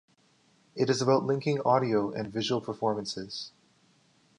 It is about linking audio and visual performances.